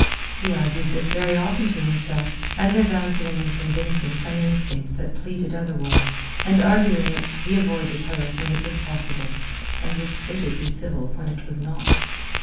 He argued this very often to himself, as if answering and convincing some instinct that pleaded otherwise, and arguing it he avoided her when it was possible, and was frigidly civil when it was not.